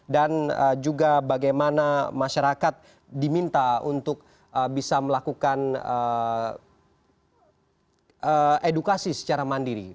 dan juga bagaimana masyarakat diminta untuk bisa melakukan edukasi secara mandiri